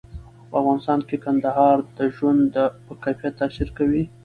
په افغانستان کې کندهار د ژوند په کیفیت تاثیر کوي.